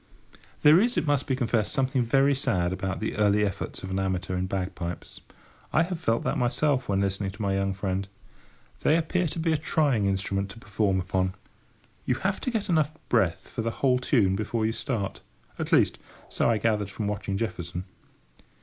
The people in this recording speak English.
There is, it must be confessed, something very sad about the early efforts of an amateur in bagpipes. I have felt that myself when listening to my young friend. They appear to be a trying instrument to perform upon. You have to get enough breath for the whole tune before you start—at least, so I gathered from watching Jefferson.